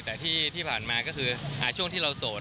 แต่ที่ผ่านมาก็คือช่วงที่เราโสด